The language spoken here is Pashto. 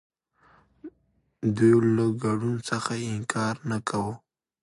دوی له ګډون څخه انکار نه کاوه.